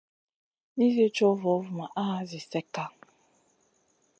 Nizi cow vovumaʼa zi slekka.